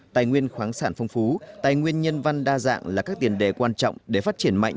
tài nguyên khoáng sản phong phú tài nguyên nhân văn đa dạng là các tiền đề quan trọng để phát triển mạnh